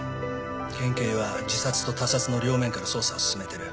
県警は自殺と他殺の両面から捜査を進めている。